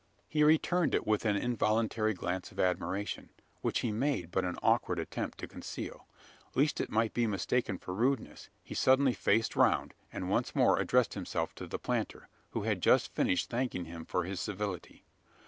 He returned it with an involuntary glance of admiration, which he made but an awkward attempt to conceal. Lest it might be mistaken for rudeness, he suddenly faced round; and once more addressed himself to the planter who had just finished thanking him for his civility.